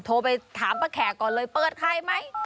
โทรไปถามประแขก่ก่อนเลยเปิดไขมั้ย